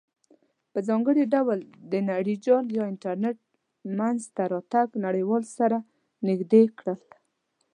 په ځانګړې ډول د نړیجال یا انټرنیټ مینځ ته راتګ نړیوال سره نزدې کړل.